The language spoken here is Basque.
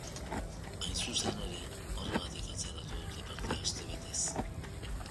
Hain zuzen ere, horregatik atzeratu dute partida astebetez.